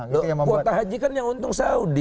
loh kuota haji kan yang untung saudi